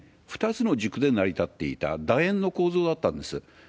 ２つの軸で成り立っていただ円の構造だったんです。